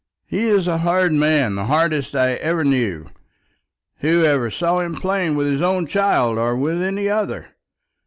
He is a hard man; the hardest man I ever knew. Who ever saw him playing with his own child, or with any other?